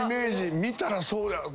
見たらそうやよな。